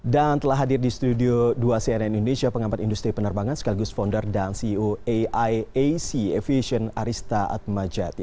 dan telah hadir di studio dua cnn indonesia pengambat industri penerbangan sekaligus founder dan ceo aiac aviation arista atmajati